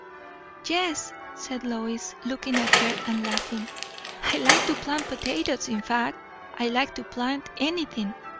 _" "Yes," said Lois, looking at her and laughing. "I like to plant potatoes. In fact, I like to plant anything.